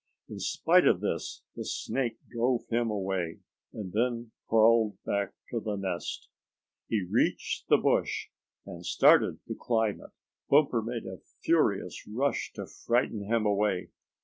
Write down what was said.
In spite of this the snake drove him away, and then crawled back to the nest. He reached the bush and started to climb it. Bumper made a furious rush to frighten him away.